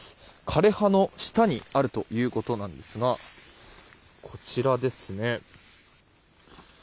枯れ葉の下にあるということなんですがこちらですね